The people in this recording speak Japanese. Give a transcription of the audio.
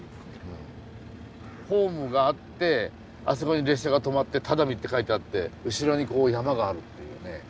ホームがあってあそこに列車が止まって「只見」って書いてあって後ろにこう山があるっていうね。